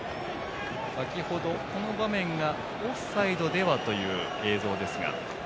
先程の場面がオフサイドではという映像でした。